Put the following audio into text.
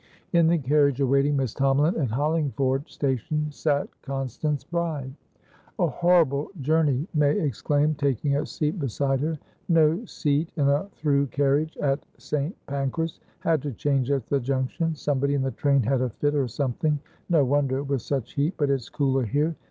In the carriage awaiting Miss Tomalin at Hollingford station sat Constance Bride. "A horrible journey!" May exclaimed, taking a seat beside her. "No seat in a through carriage at St. Pancras. Had to change at the junction. Somebody in the train had a fit, or somethingno wonder, with such heat! But it's cooler here.